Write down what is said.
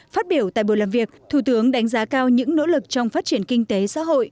phát biểu tại buổi làm việc thủ tướng đánh giá cao những nỗ lực trong phát triển kinh tế xã hội